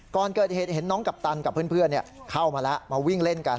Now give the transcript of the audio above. ก่อนเกิดเหตุเห็นน้องกัปตันกับเพื่อนเข้ามาแล้วมาวิ่งเล่นกัน